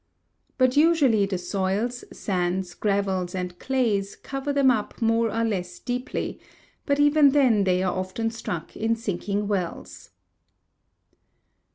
But usually the soils, sands, gravels, and clays cover them up more or less deeply, but even then they are often struck in sinking wells.